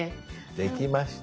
できました。